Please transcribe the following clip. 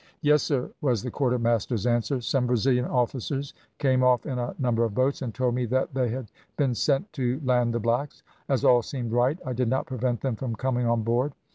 "`Yes, sir,' was the quarter master's answer. `Some Brazilian officers came off in a number of boats, and told me that they had been sent to land the blacks. As all seemed right, I did not prevent them from coming on board.